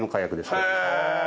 へえ！